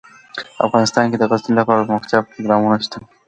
افغانستان کې د غزني لپاره دپرمختیا پروګرامونه شته.